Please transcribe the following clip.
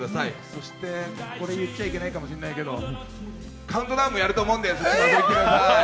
そして言っちゃいけないかもしれないけれども、カウントダウンもやると思うので、ぜひ遊びに来てください。